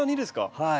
はい。